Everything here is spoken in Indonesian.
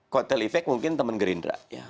kotelifek mungkin teman gerindra